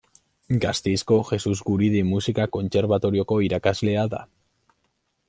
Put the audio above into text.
Gasteizko Jesus Guridi musika kontserbatorioko irakaslea da.